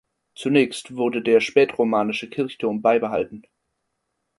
Zunächst wurde der spätromanische Kirchturm beibehalten.